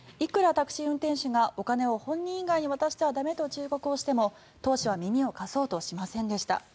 タクシー運転手がお金を本人以外に渡しては駄目と忠告をしても当初は耳を貸そうとはしませんでした。